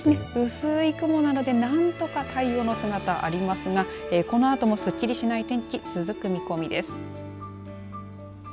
薄い雲なので何とか太陽の姿ありますがこのあとも、すっきりしない天気続く見込みです。